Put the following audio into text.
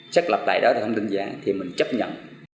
xác lập lại đó là thông tin giả thì mình chấp nhận